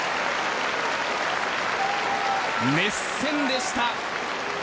熱戦でした。